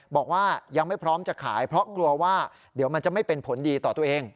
บอกว่ายังไม่พร้อมจะขายเพราะกลัวว่าเดี๋ยวมันจะไม่เป็นผลดีต่อตัวเอง